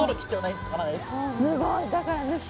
すごい！だから。